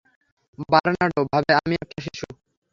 Bernardo ভাবে আমি একটা শিশু।